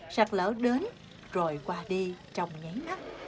sạch lỡ đến rồi qua đi trong nháy mắt